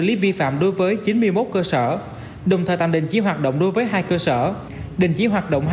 lý vi phạm đối với chín mươi một cơ sở đồng thời tạm định chí hoạt động đối với hai cơ sở định chí hoạt động